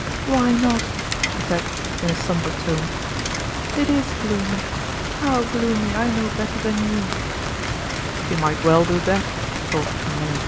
"Why not?" she said, in a somber tone. 60 &0tjrmalin'0 QTitne "It is gloomy how gloomy I know better than you!" ("She might well do that," thought Tourmalin.)